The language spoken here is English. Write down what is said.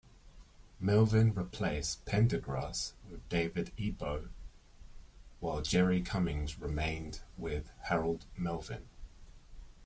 Melvin replaced Pendergrass with David Ebo while Jerry Cummings remained with Harold Melvin.